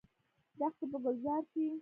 دښتې به ګلزار شي؟